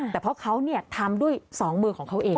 แต่เพราะเขาทำด้วยสองมือของเขาเอง